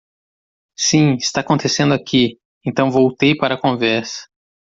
Sim, está acontecendo aqui, então voltei para a conversa.